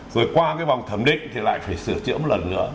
rồi qua cái vòng thẩm định thì lại phải sửa chữa một lần nữa